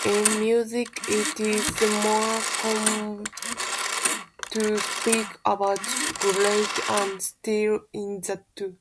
In music it is more common to speak about genres and styles instead.